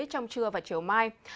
trong trưa và chiều mai